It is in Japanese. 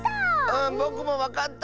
うんぼくもわかった！